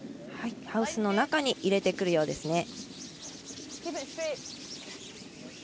ハウスの中に入れてくるようです。